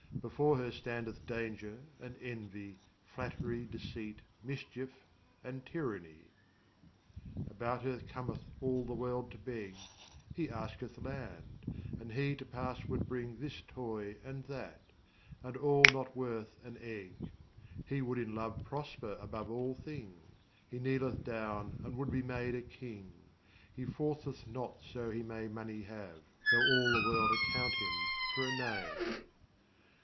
Before her standeth Danger and Envy, Flatt'ry, Deceit, Mischief, and Tyranny. About her cometh all the world to beg; He asketh land; and He to pass would bring This toy and that, and all not worth an egg; He would in love prosper above all thing; He kneeleth down and would be made a king; He forceth not so he may money have, Tho' all the world account him for a knave.